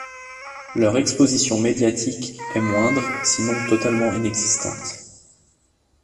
Leur exposition médiatique est moindre, sinon totalement inexistante.